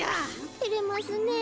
てれますねえ。